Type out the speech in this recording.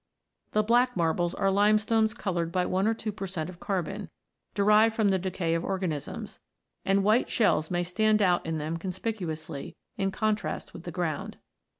The black marbles are limestones coloured by one or two per cent, of carbon, derived from the decay of organisms, and white shells may stand out in them conspicuously, in contrast with the ground.